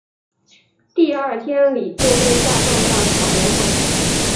第二天李就被下放到小联盟。